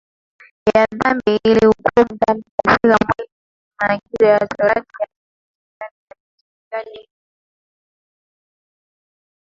ya dhambi aliihukumu dhambi katika mwili ili maagizo ya torati yatimizwe ndani yetu sisi